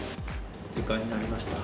時間になりました。